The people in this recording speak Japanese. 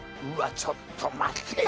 ちょっと待ってよ